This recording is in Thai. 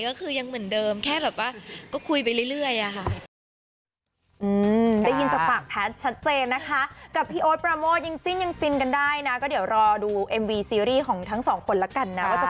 ก็คือยังเหมือนเดิมแค่แบบว่าก็คุยไปเรื่อยอะค่ะ